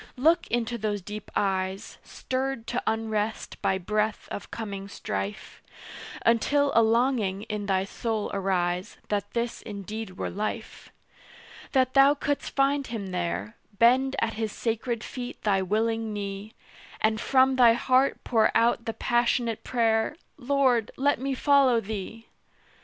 Look into those deep eyes, Stirred to unrest by breath of coming strife, Until a longing in thy soul arise That this indeed were life: That thou couldst find Him there, Bend at His sacred feet thy willing knee, And from thy heart pour out the passionate prayer "Lord, let me follow Thee!"